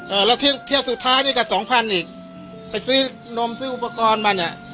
เออแล้วเทียบเทียบสุดท้ายด้วยกับสองพันอีกไปซื้อนมซื้ออุปกรณ์มาเนี่ย